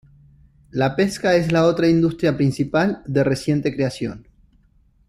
La pesca es la otra industria principal, de reciente creación.